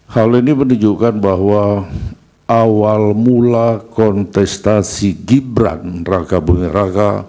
hal ini menunjukkan bahwa awal mula kontestasi gibran raka bumi raka